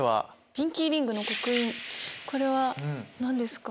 「ピンキーリングの刻印」これは何ですか？